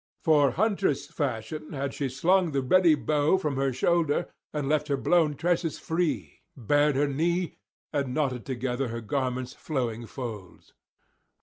For huntress fashion had she slung the ready bow from her shoulder, and left her blown tresses free, bared her knee, and knotted together her garments' flowing folds.